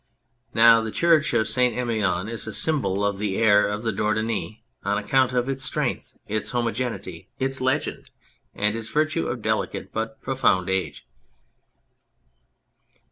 Now the church of St. Emilion is a symbol of the air of the Dordogne on account of its strength, its homogeneity, its legend, and its virtue of delicate but profound age.